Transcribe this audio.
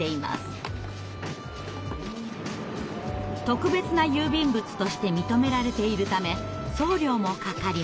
特別な郵便物として認められているため送料もかかりません。